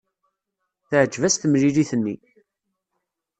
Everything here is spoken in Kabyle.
Teɛjeb-as temlilit-nni.